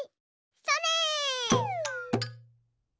それ！